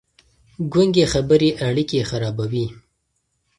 ګونګې خبرې اړيکې خرابوي.